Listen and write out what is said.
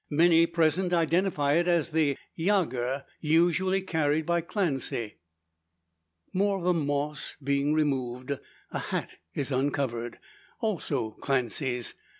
Many present identify it as the yager usually carried by Clancy. More of the moss being removed, a hat is uncovered also Clancy's.